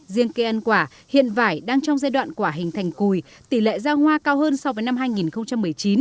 riêng cây ăn quả hiện vải đang trong giai đoạn quả hình thành cùi tỷ lệ ra hoa cao hơn so với năm hai nghìn một mươi chín